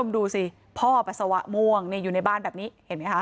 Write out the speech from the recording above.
รู้สิพ่อปัสสวะม่วงเนยอยู่ในบ้านดับนี้แล้วได้มีครับ